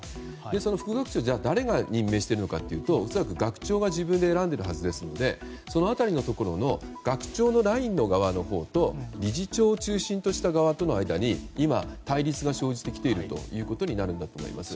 その副学長を誰が任命しているのかというと恐らく学長が自分で選んでいるはずですのでその辺りのところの学長のラインの側のところと理事長を中心としたところに対立が生じてきているということになるんだと思います。